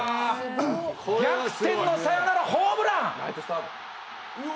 逆転のサヨナラホームラン！